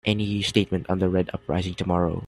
Any statement on the Red uprising tomorrow?